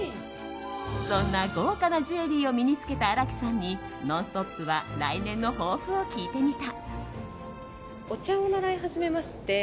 そんな豪華なジュエリーを身に着けた新木さんに「ノンストップ！」は来年の抱負を聞いてみた。